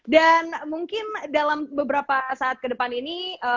dan mungkin dalam beberapa saat kedepan ini